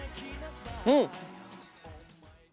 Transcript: うん！